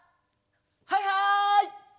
はいはい！